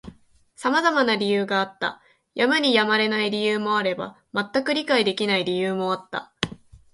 様々な理由があった。やむにやまれない理由もあれば、全く理解できない理由もあった。